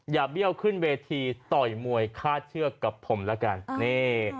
เบี้ยวขึ้นเวทีต่อยมวยฆ่าเชือกกับผมแล้วกันนี่